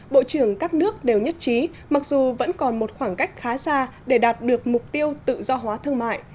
bộ trưởng các nước đều nhất trí mặc dù vẫn còn một khoảng cách khá xa để đạt được mục tiêu tự do hóa thương mại